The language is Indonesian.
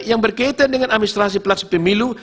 yang berkaitan dengan administrasi pelaksana pemilu